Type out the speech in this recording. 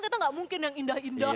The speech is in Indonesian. kita nggak mungkin yang indah indah